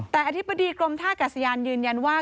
แต่อธิบดีกรมท่ากัศยานยืนยันว่า